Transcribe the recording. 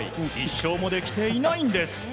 １勝もできていないんです。